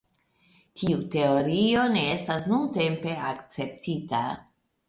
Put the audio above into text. Tiu teorio ne estas nuntempe akceptita.